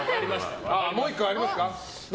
もう１個ありますか？